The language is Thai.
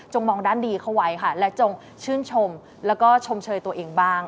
มองด้านดีเข้าไว้ค่ะและจงชื่นชมแล้วก็ชมเชยตัวเองบ้าง